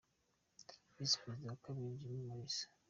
Visi Perezida wa kabiri: Jimmy Mulisa .